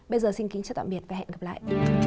bây giờ xin kính chào tạm biệt và hẹn gặp lại